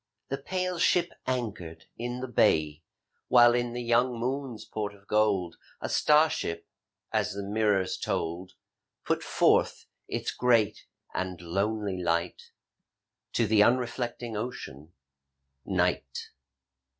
The pale ship anchored in the bay, While in the young moon's port of gold A star ship — as the mirrors told — Put forth its great and lonely light To the unreflecting Ocean, Night.